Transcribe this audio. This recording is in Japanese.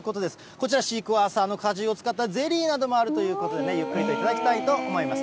こちら、シークワーサーの果汁を使ったゼリーなどもあるということで、ゆっくりと頂きたいと思います。